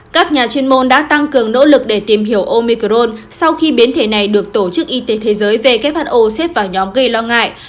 các nhà chuyên môn đã tăng cường nỗ lực để tìm hiểu omicrone sau khi biến thể này được tổ chức y tế thế giới who xếp vào nhóm gây lo ngại